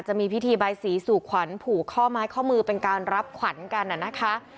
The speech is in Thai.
จะมีพิธีใบสีสู่ขวัญผูกข้อไม้ข้อมือเป็นการรับขวัญกันนะคะ